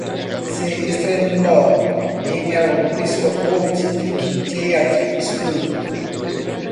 Se entrenó en el "Bristol Old Vic Theatre School".